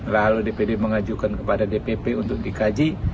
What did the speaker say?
lalu dpd mengajukan kepada dpp untuk dikaji